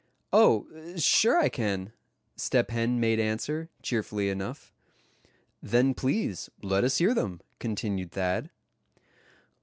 "Oh! sure, I can," Step Hen made answer, cheerfully enough. "Then please let us hear them," continued Thad.